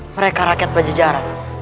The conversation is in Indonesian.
mereka rakyat pejajaran